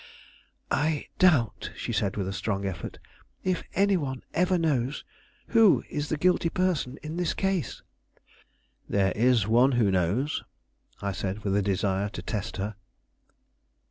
"I doubt," she said with strong effort, "if any one ever knows who is the guilty person in this case." "There is one who knows," I said with a desire to test her.